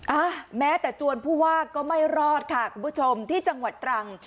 อ่ะแม้แต่จวนผู้ว่าก็ไม่รอดค่ะคุณผู้ชมที่จังหวัดตรัง